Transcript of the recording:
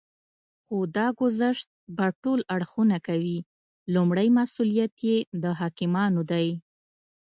خو دا ګذشت به ټول اړخونه کوي. لومړی مسئوليت یې د حاکمانو دی